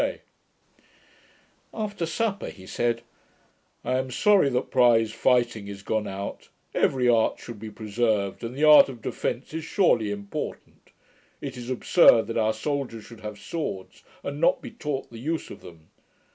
] After supper he said, 'I am sorry that prize fighting is gone out; every art should be preserved, and the art of defence is surely important. It is absurd that our soldiers should have swords, and not be taught the use of them.